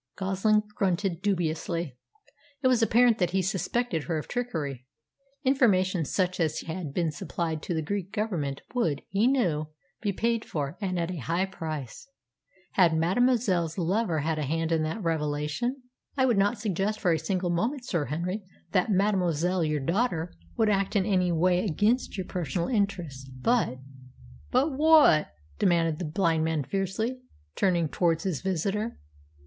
Goslin grunted dubiously. It was apparent that he suspected her of trickery. Information such as had been supplied to the Greek Government would, he knew, be paid for, and at a high price. Had mademoiselle's lover had a hand in that revelation? "I would not suggest for a single moment, Sir Henry, that mademoiselle your daughter would act in any way against your personal interests; but " "But what?" demanded the blind man fiercely, turning towards his visitor.